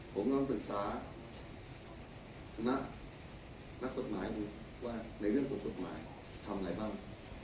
ผมลองปรึกษานักกฎหมายดูว่าในเรื่องกฎหมายทำอะไรบ้าง